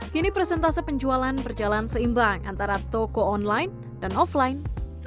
kini presentase penjualan berjalan seimbang antara toko online dan offline